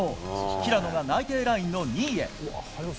平野が内定ラインの２位へ。